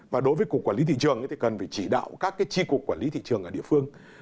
và đối với cục quản lý thị trường thì cần phải chỉ đạo các cái chi cục quản lý thị trường ở địa phương